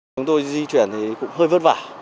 chúng tôi di chuyển thì cũng hơi vất vả